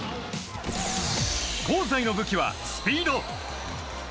香西の武器は、スピード。